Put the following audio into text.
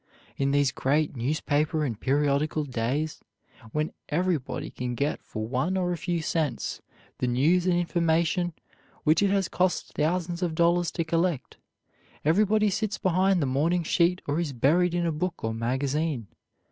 In these great newspaper and periodical days, when everybody can get for one or a few cents the news and information which it has cost thousands of dollars to collect, everybody sits behind the morning sheet or is buried in a book or magazine.